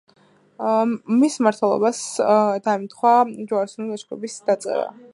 მის მმართველობას დაემთხვა ჯვაროსნული ლაშქრობების დაწყება.